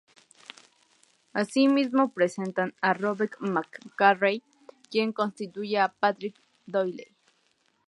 Asimismo presentan a Robert McCaffrey, quien sustituye a Patrick Doyle.